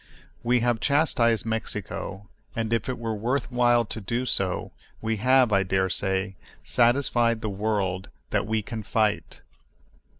We have chastised Mexico, and if it were worth while to do so, we have, I dare say, satisfied the world that we can fight.